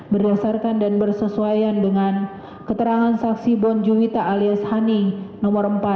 berdasarkan dan bersesuaian dengan keterangan saksi bonjuwita alias hani no empat dua belas